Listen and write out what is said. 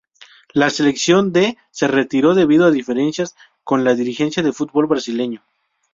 La selección de se retiró debido a diferencias con la dirigencia del fútbol brasileño.